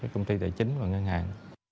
công ty tài chính và ngân hàng